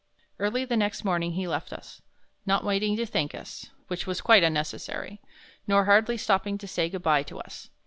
Early the next morning he left us, not waiting to thank us, which was quite unnecessary; nor hardly stopping to say good bye to us.